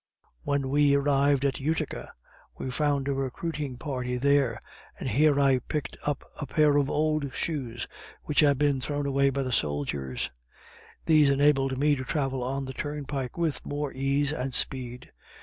When we arrived at Utica we found a recruiting party there; and here I picked up a pair of old shoes which had been thrown away by the soldiers; these enabled me to travel on the turnpike with more ease and speed.